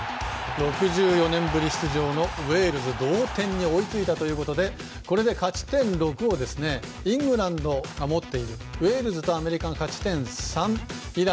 ６４年ぶりのウェールズ同点に追いついたということでこれで勝ち点をイングランドが持っていてウェールズとアメリカが勝ち点３。